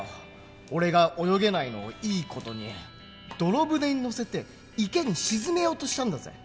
俺が泳げないのをいい事に泥舟に乗せて池に沈めようとしたんだぜ。